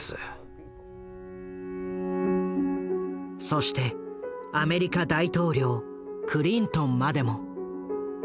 そしてアメリカ大統領クリントンまでも。